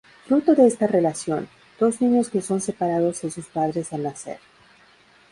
Fruto de esta relación, dos niños que son separados de sus padres al nacer.